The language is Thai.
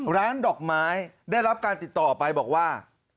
ร้านดอกไม้ได้รับการติดต่อไปบอกว่า